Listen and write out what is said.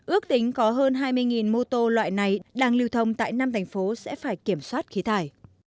ước tính có hơn hai mươi mô tô loại này đang lưu thông tại năm thành phố sẽ phải kiểm soát khí thải